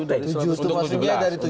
untuk tujuh belas untuk tujuh belas